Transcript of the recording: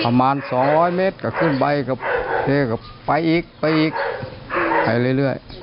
ประมาณ๒๐๐เมตรก็ขึ้นไปก็ไปอีกไปอีกไปเรื่อย